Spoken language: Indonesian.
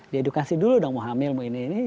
diedukasi dulu dong mau hamil mau ini ini